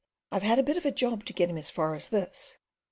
I've had a bit of a job to get him as far as this."